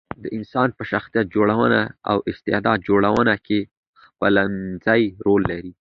د انسان په جلا شخصیت او استعداد جوړېدنه کې خپلمنځي رول لري.